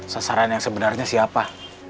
sasaran yang sebenarnya siapa